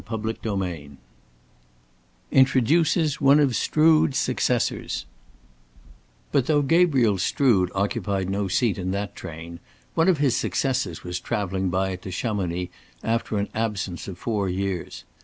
CHAPTER II INTRODUCES ONE OF STROOD'S SUCCESSORS But though Gabriel Strood occupied no seat in that train, one of his successors was traveling by it to Chamonix after an absence of four years.